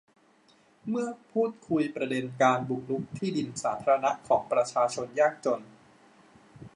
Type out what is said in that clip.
เมื่อพูดคุยประเด็นการบุกรุกที่ดินสาธารณะของประชาชนยากจน